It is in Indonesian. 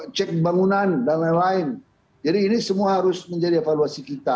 dan juga cek bangunan dan lain lain jadi ini semua harus menjadi evaluasi kita